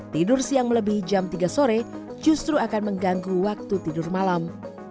tidur siang melebihi jam tiga sore justru akan mengganggu waktu tidur malam